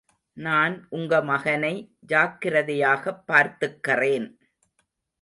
நான் உங்க மகனை ஜாக்கிரதையாப் பார்த்துக்கறேன்.